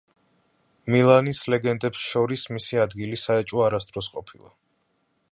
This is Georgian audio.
მილანის ლეგენდებს შორის მისი ადგილი საეჭვო არასდროს ყოფილა.